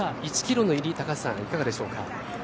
１キロの入り高橋さん、いかがでしょうか？